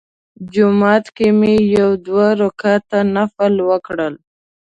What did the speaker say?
جومات کې مې یو دوه رکعته نفل وکړل.